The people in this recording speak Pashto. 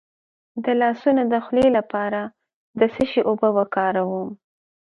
د لاسونو د خولې لپاره د څه شي اوبه وکاروم؟